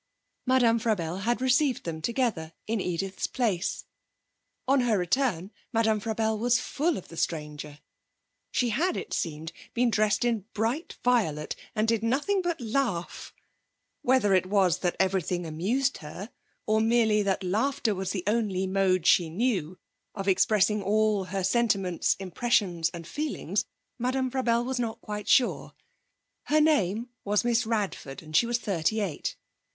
Madame Frabelle had received them together in Edith's place. On her return Madame Frabelle was full of the stranger. She had, it seemed been dressed in bright violet, and did nothing but laugh. Whether it was that everything amused her, or merely that laughter was the only mode she knew of expressing all her sentiments, impressions and feelings, Madame Frabelle was not quite sure. Her name was Miss Radford, and she was thirty eight.